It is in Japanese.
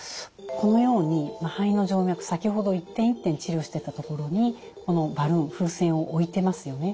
このように肺の静脈先ほど一点一点治療してたところにこのバルーン風船を置いてますよね。